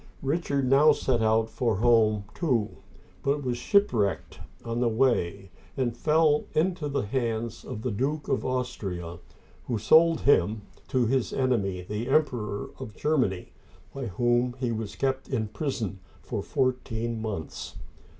Richard now set out for home, too, but was shipwrecked on the way, and fell into the hands of the Duke of Austria, who sold him to his enemy, the Emperor of Germany, by whom he was kept in prison for fourteen months.